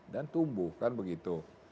dan tumbuh kan begitu